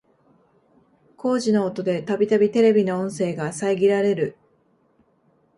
工事の音でたびたびテレビの音声が遮られる